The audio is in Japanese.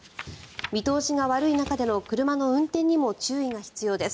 見通しが悪い中での車の運転にも注意が必要です。